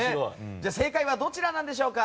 正解はどちらなんでしょうか。